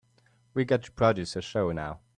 We've got to produce a show now.